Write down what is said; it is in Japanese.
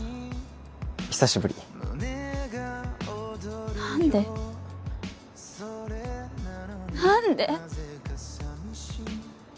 久しぶり何で何で？